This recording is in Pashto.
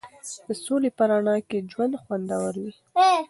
د سولې په رڼا کې ژوند خوندور وي.